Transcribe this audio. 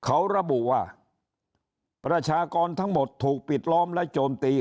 เขาระบุว่าประชากรทั้งหมดถูกปิดล้อมและโจมตี